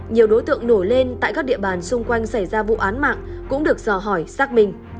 nhiều đối tượng nổi lên tại các địa bàn xung quanh xảy ra vụ án mạng cũng được dò hỏi xác minh